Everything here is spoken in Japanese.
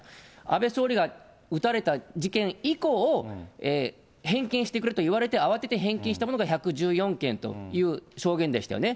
安倍総理が撃たれた事件以降、返金してくれといわれて、慌てて返金したものが１１４件という証言でしたよね。